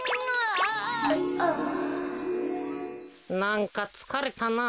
なんかつかれたな。